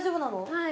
はい。